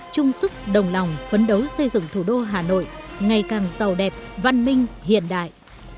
chung sức đồng lòng phấn đấu xây dựng thủ đô hà nội ngày càng giàu đẹp văn minh hiện đại